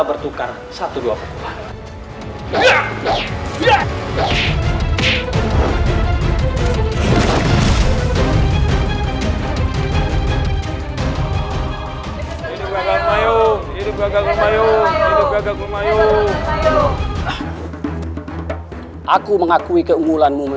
untuk mendapatkan pemberitahuan selanjutnya